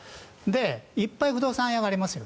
いっぱい不動産屋がありますよ